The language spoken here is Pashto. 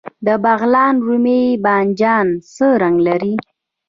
د بغلان رومي بانجان څه رنګ لري؟